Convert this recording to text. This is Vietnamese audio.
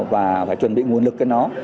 và phải chuẩn bị nguồn lực cho nó